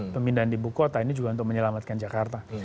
pemindahan ibu kota ini juga untuk menyelamatkan jakarta